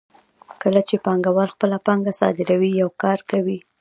کله چې پانګوال خپله پانګه صادروي یو کار کوي